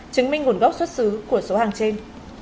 chứng minh nguồn gốc xuất xứ của số hàng trên